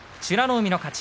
海の勝ち。